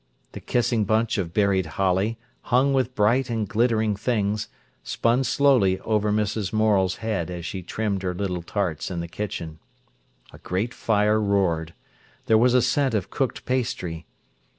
The kissing bunch of berried holly hung with bright and glittering things, spun slowly over Mrs. Morel's head as she trimmed her little tarts in the kitchen. A great fire roared. There was a scent of cooked pastry.